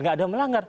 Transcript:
tidak ada melanggar